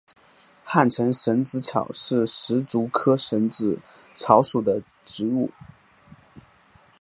汉城蝇子草是石竹科蝇子草属的植物。